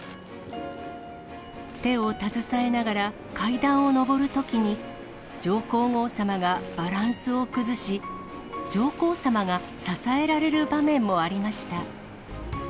手を携えながら、階段を上るときに、上皇后さまがバランスを崩し、上皇さまが支えられる場面もありました。